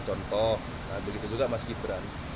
contoh begitu juga mas gibran